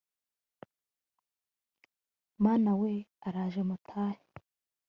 mama we araje mutahe